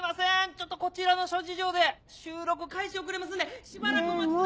ちょっとこちらの諸事情で収録開始遅れますんでしばらくお待ちください！